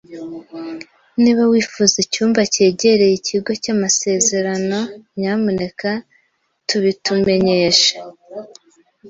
Niba wifuza icyumba cyegereye ikigo cy’amasezerano, nyamuneka tubitumenyeshe.